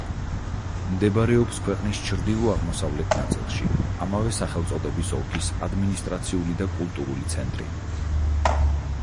მდებარეობს ქვეყნის ჩრდილო-აღმოსავლეთ ნაწილში, ამავე სახელწოდების ოლქის ადმინისტრაციული და კულტურული ცენტრი.